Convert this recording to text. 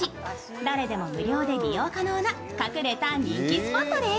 誰でも無料で利用可能な隠れた人気スポットです。